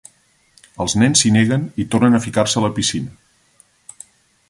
Els nens s'hi neguen i tornen a ficar-se a la piscina.